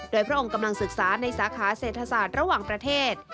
โดยพระองค์กำลังศึกษาในสาขาเศรษฐศาสตร์ระหว่างประเทศ